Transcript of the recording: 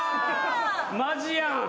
マジやん。